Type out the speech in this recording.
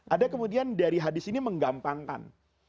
ada kemudian dari hadis ini menggampangkan